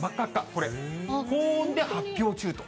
これ、高温で発表中という。